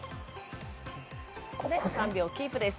ここで３秒キープです